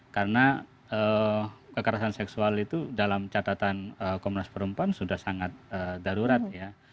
karena kekerasan seksual itu dalam catatan komunas perempuan sudah sangat darurat ya